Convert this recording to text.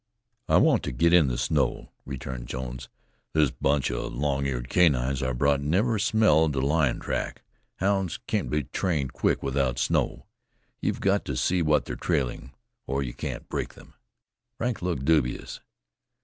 "I want to get in the snow," returned Jones. "This bunch of long eared canines I brought never smelled a lion track. Hounds can't be trained quick without snow. You've got to see what they're trailing, or you can't break them." Frank looked dubious.